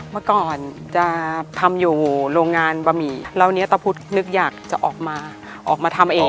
เมื่อก่อนจะทำอยู่โรงงานบะหมี่แล้วนี้ตะพุทธนึกอยากจะออกมาออกมาทำเอง